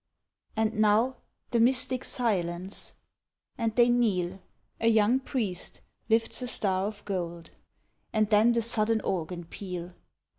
And now, the mystic silence and they kneel A young priest lifts a star of gold, And then the sudden organ peal!